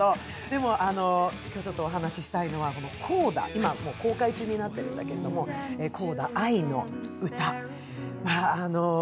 でも、ちょっとお話ししたいのは、公開中になっているんだけれども、「コーダあいのうた」。